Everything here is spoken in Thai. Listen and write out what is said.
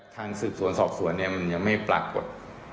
ทางศึกศวนศอกศวนมันยังไม่ปรากฏ